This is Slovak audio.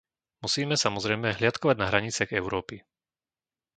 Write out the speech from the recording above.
Musíme, samozrejme, hliadkovať na hraniciach Európy.